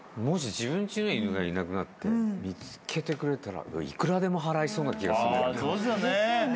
もし自分ちの犬がいなくなって見つけてくれたらいくらでも払いそうな気がする。